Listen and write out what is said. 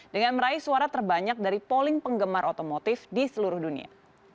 dengan meraih suara terbanyak dari polling penggemar otomotif di seluruh dunia